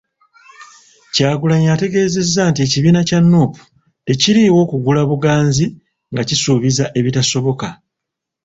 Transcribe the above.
Kyagulanyi ategeezezza nti ekibiina kya Nuupu, tekiriiwo kugula buganzi nga kisuubiza ebitasoboka.